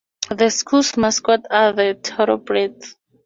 The school's mascot are the Thorobreds.